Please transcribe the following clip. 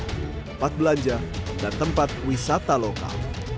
tempat belanja dan tempat wisata lokal